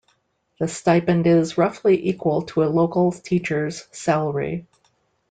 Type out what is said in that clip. The stipend is roughly equal to a local teacher's salary.